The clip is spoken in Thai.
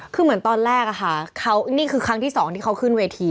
คือเหมือนตอนแรกนี่คือครั้งที่๒ที่เค้าขึ้นเวที